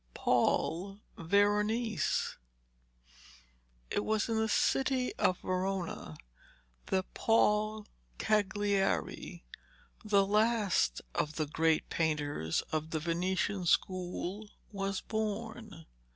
PAUL VERONESE It was in the city of Verona that Paul Cagliari, the last of the great painters of the Venetian school, was born.